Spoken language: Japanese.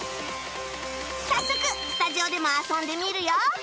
早速スタジオでも遊んでみるよ